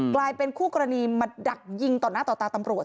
กลายเป็นคู่กรณีมาดักยิงต่อหน้าต่อตาตำรวจ